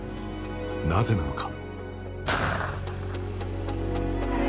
なぜなのか。